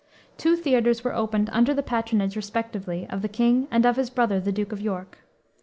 Two theaters were opened under the patronage, respectively, of the king and of his brother, the Duke of York.